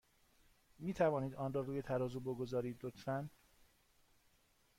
می توانید آن را روی ترازو بگذارید، لطفا؟